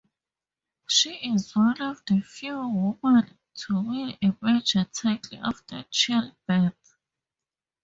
She is one of the few women to win a major title after childbirth.